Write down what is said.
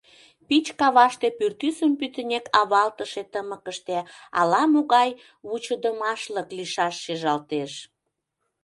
Пич каваште пӱртӱсым пӱтынек авалтыше тымыкыште ала-могай вучыдымашлык лийшаш шижалтеш.